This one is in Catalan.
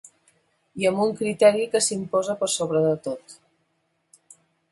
I amb un criteri que s’imposa per sobre de tot.